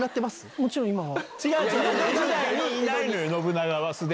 もちろん今は。